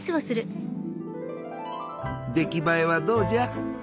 出来栄えはどうじゃ？